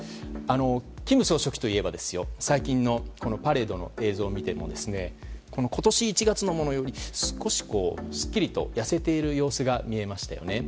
金総書記といえば最近のパレードの映像を見ても今年１月のものより少しすっきり痩せている様子が見えましたよね。